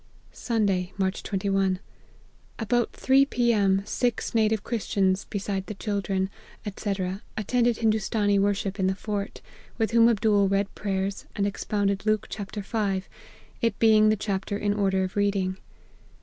" Sunday, March 21. About three P. M. six native Christians, beside the children, &c. attended Hindoostanee worship in the fort, with whom Ab dool read prayers, and expounded Luke v., it being the chapter in order of reading.